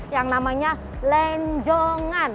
yang namanya lenjongan